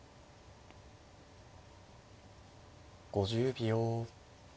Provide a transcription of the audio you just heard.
５０秒。